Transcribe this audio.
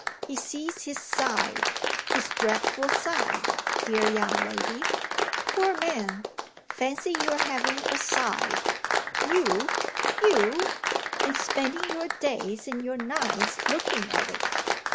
"He sees his 'side,' his dreadful 'side,' dear young lady. Poor man, fancy your having a 'side' you, you and spending your days and your nights looking at it!